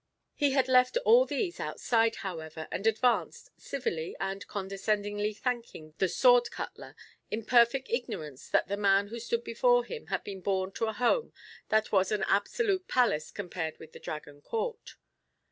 He had left all these outside, however, and advanced, civilly and condescendingly thanking the sword cutler, in perfect ignorance that the man who stood before him had been born to a home that was an absolute palace compared with the Dragon court.